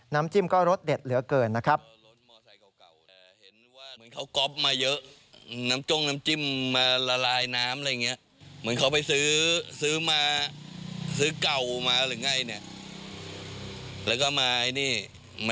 น้ำจิ้มก็รสเด็ดเหลือเกินนะครับ